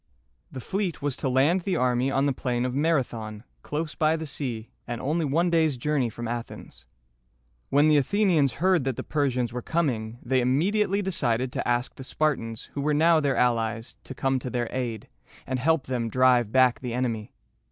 The fleet was to land the army on the plain of Mar´a thon, close by the sea, and only one day's journey from Athens. When the Athenians heard that the Persians were coming, they immediately decided to ask the Spartans, who were now their allies, to come to their aid, and help them drive back the enemy.